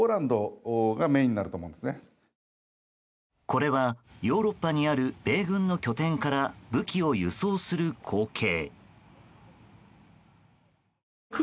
これはヨーロッパにある米軍の拠点から武器を輸送する光景。